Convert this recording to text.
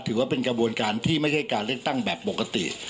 ถือว่าเป็นกระบวนการที่ไม่ใช่การเลือกตั้งแบบปกติ